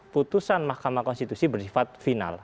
putusan mahkamah konstitusi bersifat final